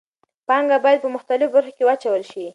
پانګه باید په مختلفو برخو کې واچول شي.